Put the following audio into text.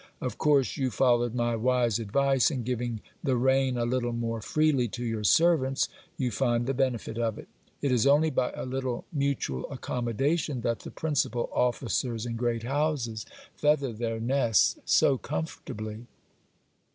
Of course you followed my wise advice, in giving the rein a little more freely to your servants ; you find the benefit of it. It is only by a little mutual accommodation, that the principal officers in great houses feather ther nests so comfortably.